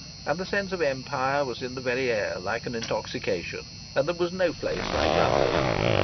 And the sense of Empire was in the very air, like an intoxication. And there was no place like London.